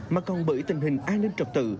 mà còn bởi tình hình an ninh trọc tự